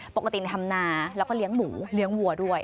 ปกติทำนาแล้วก็เลี้ยงหมูเลี้ยงวัวด้วย